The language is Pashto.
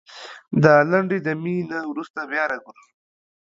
دا لنډې دمي نه وروسته بيا راګرځوو